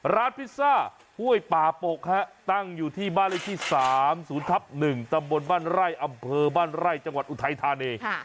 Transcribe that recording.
พิซซ่าห้วยป่าปกตั้งอยู่ที่บ้านเลขที่๓๐ทับ๑ตำบลบ้านไร่อำเภอบ้านไร่จังหวัดอุทัยธานี